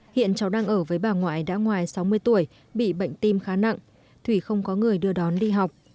hiện cháu đang ở với bà ngoại đã ngoài sáu mươi tuổi bị bệnh tim khá nặng thủy không có người đưa đón đi học